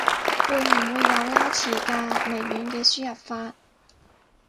會唔會有撈詞㗎？微軟嘅輸入法